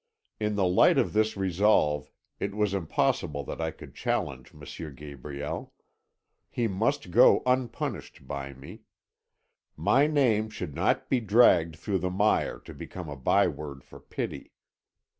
In the light of this resolve it was impossible that I could challenge M. Gabriel; he must go unpunished by me. My name should not be dragged through the mire, to become a byeword for pity.